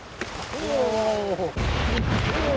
お。